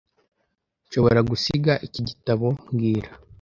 Nshobora gusiga iki gitabo mbwira